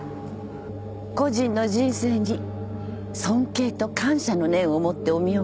故人の人生に尊敬と感謝の念を持ってお見送りする。